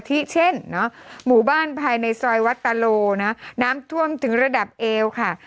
ที่เช่นหมู่บ้านภายในซอยวัตโลนะน้ำท่วมถึงระดับเอวค่ะ